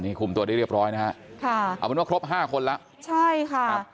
คุมตัวได้เรียบร้อยนะฮะค่ะเอาเป็นว่าครบห้าคนแล้วใช่ค่ะ